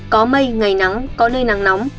có mây ngày nắng có nơi nắng nóng